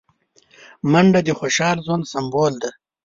منډه د خوشحال ژوند سمبول دی